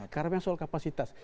karena memang soal kapasitas